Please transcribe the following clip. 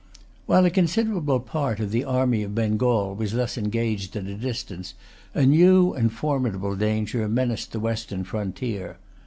While a considerable part of the army of Bengal was thus engaged at a distance, a new and formidable danger menaced the western frontier.